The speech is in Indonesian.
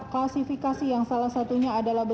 klasifikasi yang salah satunya adalah